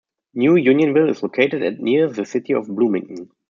New Unionville is located at near the city of Bloomington.